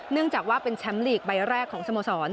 เนื่องจากว่าเป็นแชมป์ลีกใบแรกของสโมสร